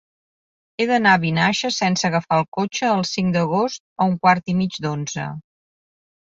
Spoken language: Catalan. He d'anar a Vinaixa sense agafar el cotxe el cinc d'agost a un quart i mig d'onze.